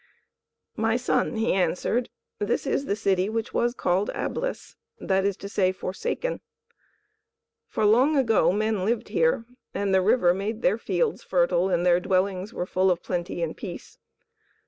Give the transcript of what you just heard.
"My son," he answered, "this is the city which was called Ablis, that is to say, Forsaken. For long ago men lived here, and the river made their fields fertile, and their dwellings were full of plenty and peace.